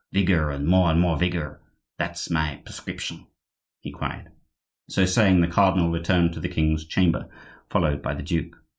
Vigor, and more and more vigor! that's my prescription!" he cried. So saying, the cardinal returned to the king's chamber, followed by the duke.